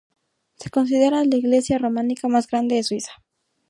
Se considera la iglesia románica más grande de Suiza.